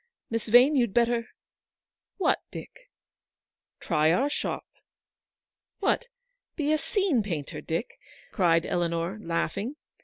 Miss Vane, you'd better—" WAITING. 97 « What, Dick ? M " Try our shop." "What, be a scene painter, Dick?" cried Eleanor, laughing.